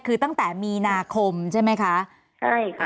คือตั้งแต่มีนาคมใช่ไหมคะใช่ค่ะ